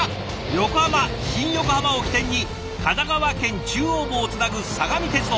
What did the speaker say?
横浜新横浜を起点に神奈川県中央部をつなぐ相模鉄道。